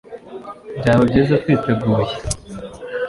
Byaba byiza twiteguye